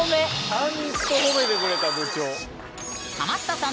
ちゃんと褒めてくれた部長。